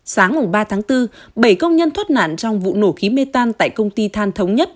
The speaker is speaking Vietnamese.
sáng ba tháng bốn bảy công nhân thoát nạn trong vụ nổ khí mê tan tại công ty than thống nhất